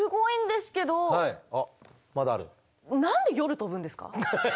何で夜飛ぶんですか？